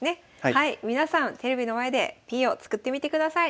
はい皆さんテレビの前でＰを作ってみてください。